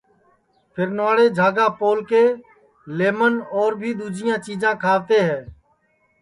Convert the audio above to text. پھیرنواڑے جھاگا پولکے، نمن اور بھی دؔوجیاں چیجاں کھاوتے ہے